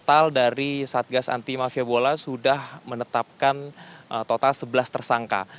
total dari satgas anti mafia bola sudah menetapkan total sebelas tersangka